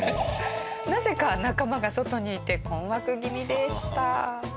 なぜか仲間が外にいて困惑気味でした。